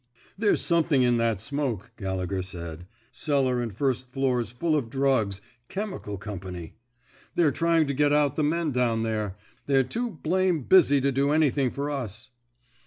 There's something in that smoke," Gallegher said. Cellar and first floor's full of drugs — chemical company. They're trying to get out the men down there. They're too blame busy to do anything for us."